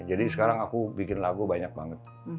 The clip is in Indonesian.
jadi sekarang aku bikin lagu banyak banget